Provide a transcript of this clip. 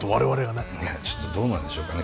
ねえちょっとどうなんでしょうかね。